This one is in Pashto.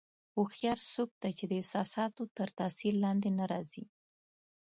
هوښیار څوک دی چې د احساساتو تر تاثیر لاندې نه راځي.